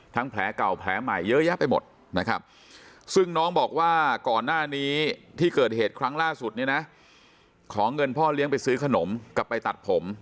แผลเก่าแผลใหม่เยอะแยะไปหมดนะครับซึ่งน้องบอกว่าก่อนหน้านี้ที่เกิดเหตุครั้งล่าสุดเนี่ยนะขอเงินพ่อเลี้ยงไปซื้อขนมกลับไปตัดผม